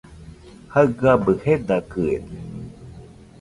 Jaɨgabɨ jedakɨede